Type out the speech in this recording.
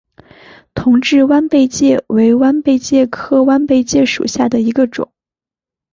同志弯贝介为弯贝介科弯贝介属下的一个种。